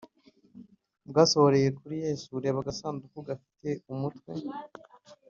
bwasohoreye kuri Yesu Reba agasanduku gafite umutwe